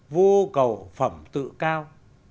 vô cầu phẩm tự cao